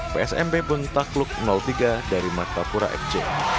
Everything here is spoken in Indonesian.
psmp pun takluk tiga dari martapura fc